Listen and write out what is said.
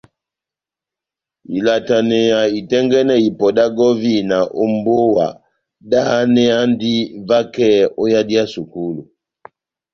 Ilataneya itɛ́ngɛ́nɛ ipɔ dá gɔvina ó mbówa dáháneyandi vakɛ ó yadi yá sukulu.